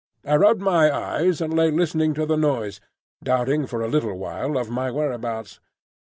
I rubbed my eyes and lay listening to the noise, doubtful for a little while of my whereabouts.